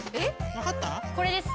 これです。